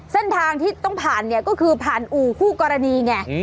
เส้นทางที่ต้องผ่านเนี่ยก็คือผ่านอู่คู่กรณีไง